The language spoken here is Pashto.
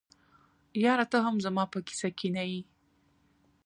یاره ته هم زما په کیسه کي نه یې.